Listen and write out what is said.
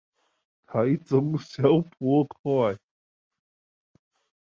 台中消波塊